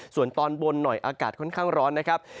ส่วนตอนบนหน่อยอากาศค่อนข้างร้อนนะครับ